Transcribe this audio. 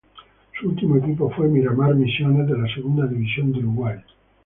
Su último equipo fue Miramar Misiones de la Segunda División de Uruguay.